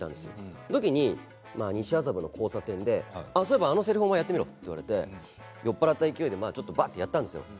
その時に西麻布の交差点でそういえば、あのせりふお前やってみろって酔っ払った勢いでばっとやったんです。